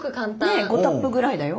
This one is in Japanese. ねえ５タップぐらいだよ。